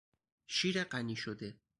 شیر غنی شده